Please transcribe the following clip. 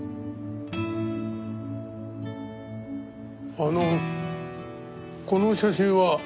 あのこの写真は？